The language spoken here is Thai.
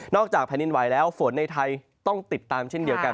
จากแผ่นดินไหวแล้วฝนในไทยต้องติดตามเช่นเดียวกัน